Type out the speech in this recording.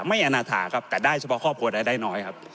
อนาถาครับแต่ได้เฉพาะครอบครัวได้น้อยครับ